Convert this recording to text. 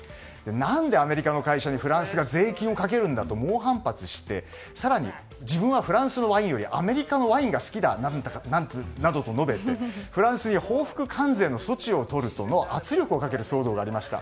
何でアメリカの会社にフランスが税金をかけるんだと猛反発して、更に自分はフランスのワインよりアメリカのワインが好きだなどと述べてフランスに報復関税の措置を取るとの圧力をかける騒動がありました。